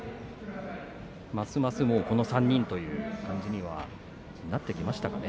ますますこの３人という感じになってきましたかね。